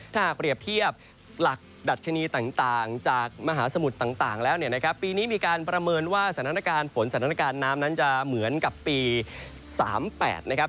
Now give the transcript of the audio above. ถ้าหากเปรียบเทียบหลักดัชนีต่างจากมหาสมุทรต่างแล้วเนี่ยนะครับปีนี้มีการประเมินว่าสถานการณ์ฝนสถานการณ์น้ำนั้นจะเหมือนกับปี๓๘นะครับ